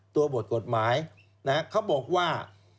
ตัวบทกฎหมายเขาบอกว่า